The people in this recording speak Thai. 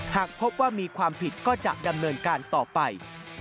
หากพบว่ามีความผิดก็จะดำเนินการต่อไป